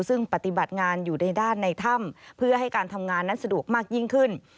ซึ่งปฏิบัติงานอยู่ในด้านในถ้ำเพื่อให้การทำงานนั้นสะดวกมากยิ่งขึ้น